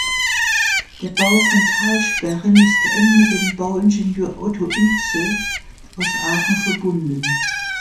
Der Bau von Talsperren ist eng mit dem Bauingenieur Otto Intze aus Aachen verbunden.